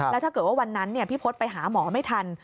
แล้วถ้าเกิดว่าวันนั้นพี่พศไปหาหมอไม่ทัน